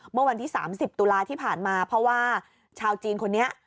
เมื่อวันที่๓๐ตุลาที่ผ่านมาเพราะว่าชาวจีนคนนี้